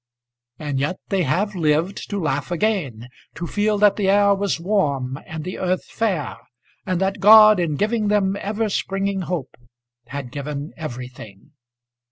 And yet they have lived to laugh again, to feel that the air was warm and the earth fair, and that God in giving them ever springing hope had given everything.